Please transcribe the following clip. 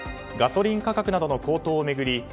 ガソリン価格などの高騰を巡り